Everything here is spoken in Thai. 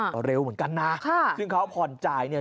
ก็เร็วเหมือนกันนะซึ่งเขาผ่อนจ่ายเนี่ย